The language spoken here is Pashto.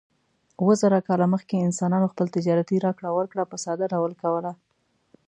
اووه زره کاله مخکې انسانانو خپل تجارتي راکړه ورکړه په ساده ډول کوله.